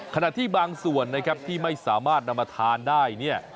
ขณะที่บางส่วนนะครับที่ไม่สามารถนำมาทานได้เนี่ย